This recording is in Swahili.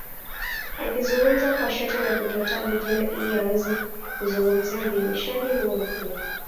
Akizungumza kwa sharti la kutotajwa jina ili aweze kuzungumzia uidhinishaji huo mpya